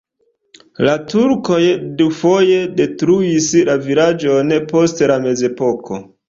La turkoj dufoje detruis la vilaĝon post la mezepoko.